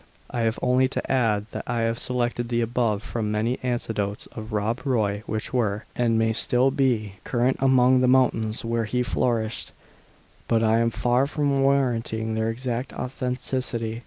I have only to add, that I have selected the above from many anecdotes of Rob Roy which were, and may still be, current among the mountains where he flourished; but I am far from warranting their exact authenticity.